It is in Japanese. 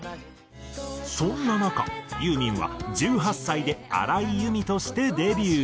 そんな中ユーミンは１８歳で荒井由実としてデビュー。